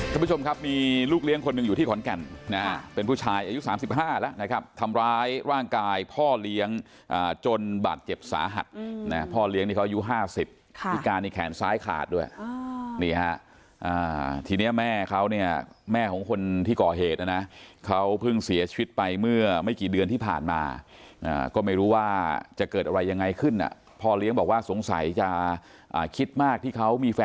ท่านผู้ชมครับมีลูกเลี้ยงคนหนึ่งอยู่ที่ขอนแก่นนะเป็นผู้ชายอายุ๓๕แล้วนะครับทำร้ายร่างกายพ่อเลี้ยงจนบาดเจ็บสาหัสนะพ่อเลี้ยงนี่เขาอายุ๕๐พิการนี่แขนซ้ายขาดด้วยนี่ฮะทีนี้แม่เขาเนี่ยแม่ของคนที่ก่อเหตุนะนะเขาเพิ่งเสียชีวิตไปเมื่อไม่กี่เดือนที่ผ่านมาก็ไม่รู้ว่าจะเกิดอะไรยังไงขึ้นพ่อเลี้ยงบอกว่าสงสัยจะคิดมากที่เขามี